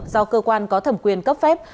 do cơ quan có thẩm quyền cấp phép